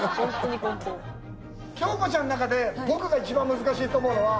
京子ちゃんの中で僕が一番難しいと思うのは。